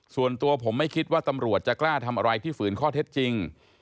ส่วนตัวผมไม่คิดว่าตำรวจจะกล้าทำอะไรที่ฝืนข้อเท็จจริง